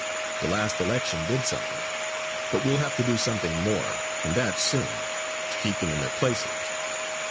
The last election did something, but we'll have to do something more, and that soon, to keep them in their places.